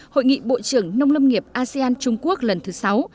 hội nghị bộ trưởng nông lâm nghiệp asean trung quốc lần thứ sáu